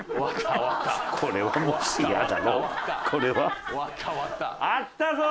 これは？あったぞ！